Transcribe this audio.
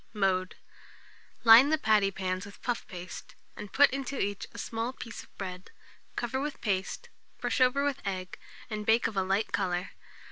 Mode. Line the patty pans with puff paste, and put into each a small piece of bread: cover with paste, brush over with egg, and bake of a light colour.